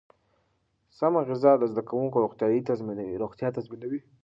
سمه غذا د زده کوونکو روغتیا تضمینوي.